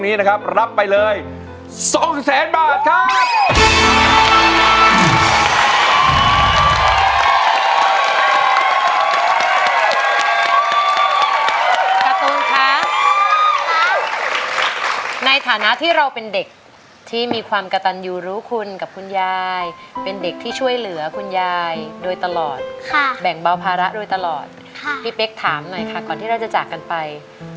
ในฐานะรับไปเลยสองแสนบาทครับในฐานะที่เราเป็นเด็กที่มีความกระตันยูรู้คุณกับคุณยายเป็นเด็กที่ช่วยเหลือคุณยายโดยตลอดค่ะแบ่งเบาภาระโดยตลอดพี่เป๊กถามหน่อยค่ะก่อนที่เราจะจากกันไป